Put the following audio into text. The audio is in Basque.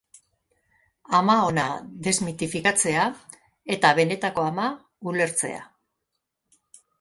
Ama ona desmitifikatzea eta benetako ama ulertzea.